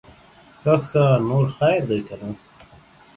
ښه ښه, نور خير دے که نه؟